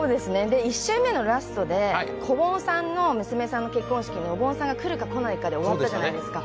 １週目のラストでこぼんさんの娘さんの結婚式におぼんさんが来るか来ないかで終わったじゃないですか。